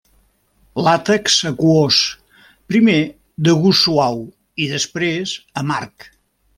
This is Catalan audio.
Làtex aquós, primer de gust suau i després amarg.